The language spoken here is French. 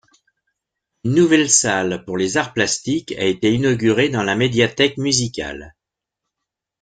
Une nouvelle salle pour les arts plastiques a été inaugurée dans la médiathèque musicale.